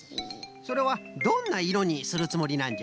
それはどんないろにするつもりなんじゃ？